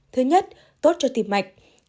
thứ nhất tốt cho tiềm mạch